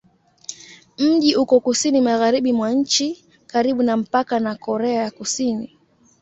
Mji uko kusini-magharibi mwa nchi, karibu na mpaka na Korea ya Kusini.